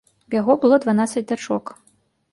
У яго было дванаццаць дачок.